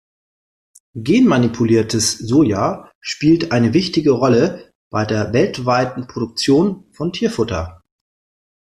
Genmanipuliertes Soja spielt eine wichtige Rolle bei der weltweiten Produktion von Tierfutter.